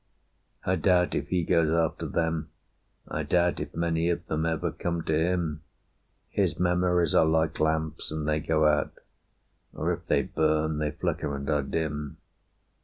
I doubt if he goes after them; I doubt If many of them ever come to him. His memories are like lamps, and they go out; Or if they burn, they flicker and are dim.